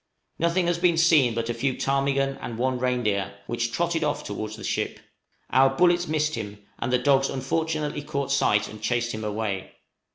Nothing has been seen but a few ptarmigan and one reindeer, which trotted off towards the ship. Our bullets missed him, and the dogs unfortunately caught sight and chased him away.